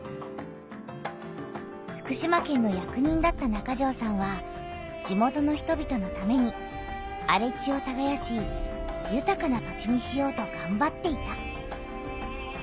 福島県の役人だった中條さんは地元の人びとのためにあれ地をたがやしゆたかな土地にしようとがんばっていた。